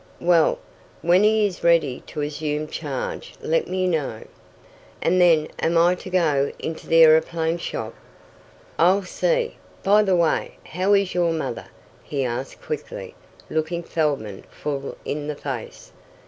"Well, when he is ready to assume charge let me know." "And then am I to go into the aeroplane shop?" "I'll see. By the way, how is your mother?" he asked quickly, looking Feldman full in the face.